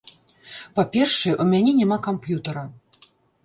Па-першае, у мяне няма камп'ютара.